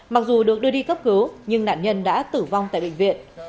mặc dù được đưa đi cấp cứu nhưng nạn nhân đã tử vong tại bệnh viện